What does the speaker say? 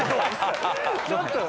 ちょっと。